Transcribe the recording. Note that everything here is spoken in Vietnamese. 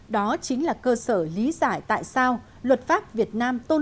đó chính là cơ sở lý giải tại sao luật pháp việt nam tôn